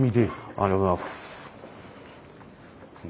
ありがとうございます。